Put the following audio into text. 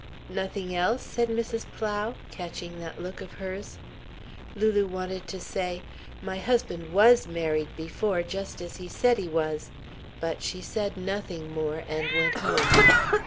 "Nothing else?" said Mrs. Plow, catching that look of hers. Lulu wanted to say: "My husband was married before, just as he said he was." But she said nothing more, and went home.